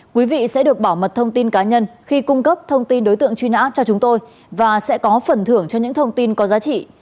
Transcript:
quý vị sẽ được bảo mật thông tin cá nhân khi cung cấp thông tin đối tượng truy nã cho chúng tôi và sẽ có phần thưởng cho những thông tin có giá trị